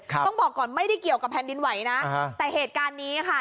ต้องบอกก่อนไม่ได้เกี่ยวกับแผ่นดินไหวนะแต่เหตุการณ์นี้ค่ะ